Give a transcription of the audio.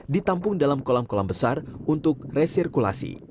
ditampung dalam kolam kolam besar untuk resirkulasi